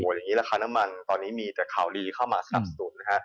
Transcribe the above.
อย่างนี้ราคาน้ำมันตอนนี้มีแต่ข่าวดีเข้ามาสนับสนุนนะฮะ